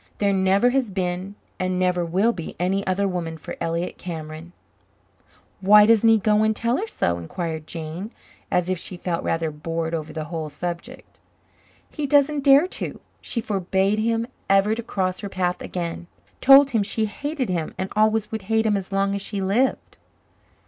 "There never has been and never will be any other woman for Elliott Cameron." "Why doesn't he go and tell her so?" inquired Jane, as if she felt rather bored over the whole subject. "He doesn't dare to. She forbade him ever to cross her path again. Told him she hated him and always would hate him as long as she lived."